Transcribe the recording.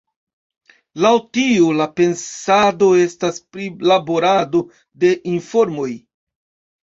Laŭ tio la pensado estas prilaborado de informoj.